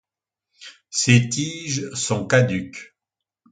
Ces tiges sont caduques.